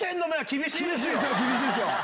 厳しいですよ。